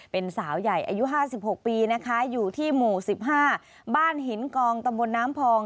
เป็นสาวใหญ่อายุ๕๖ปีนะคะอยู่ที่หมู่๑๕บ้านหินกองตำบลน้ำพอง